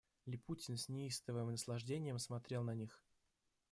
Липутин с неистовым наслаждением смотрел на них.